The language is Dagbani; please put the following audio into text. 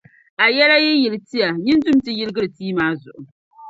A yɛla yi yili tia nyin’ dum’ nti yiligi li tia maa zuɣu.